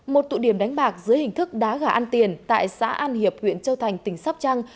một tụ điểm đánh bạc dưới hình thức đá gà ăn tiền tại xã an hiệp huyện châu thành tỉnh sóc trăng